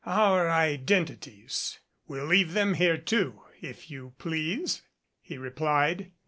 "Our identities we'll leave them here, too, if you please," he replied.